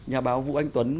nhà báo vũ anh tuấn